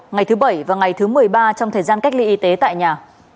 ngày thứ bảy và ngày thứ một mươi ba trong thời gian cách ly y tế tại nhà